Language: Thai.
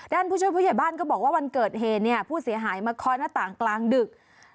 ผู้ช่วยผู้ใหญ่บ้านก็บอกว่าวันเกิดเหตุเนี่ยผู้เสียหายมาคอยหน้าต่างกลางดึก